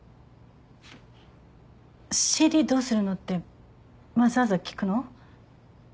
「ＣＤどうするの？」ってわざわざ聞くの？